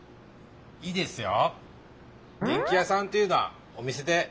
いいですよ。